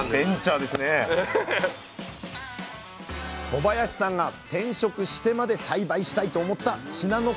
小林さんが転職してまで栽培したいと思った信濃くるみ。